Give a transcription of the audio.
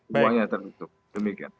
semuanya terbuka demikian